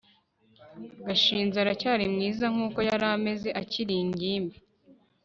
gashinzi aracyari mwiza nkuko yari ameze akiri ingimbi